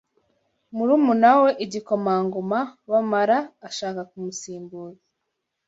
murumuna we Igikomangoma Bamara ashaka kumusimbura